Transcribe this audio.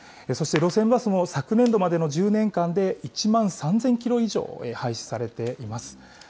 そして路線バスも昨年度までの１０年間で１万３０００キロ以上廃止されています。